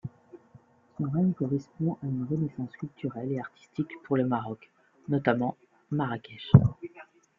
Son règne correspond à une renaissance culturelle et artistique pour le Maroc, notamment Marrakech.